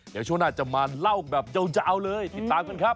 เดี๋ยวช่วงหน้าจะมาเล่าแบบยาวเลยติดตามกันครับ